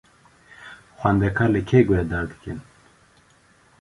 Xwendekar li kê guhdar dikin?